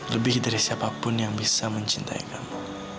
lebih dari siapapun yang bisa mencintai kamu